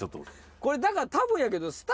これだから多分やけど。